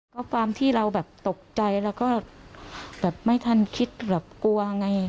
ก็ความที่เราแบบตกใจแล้วก็แบบไม่ทันคิดแบบกลัวไง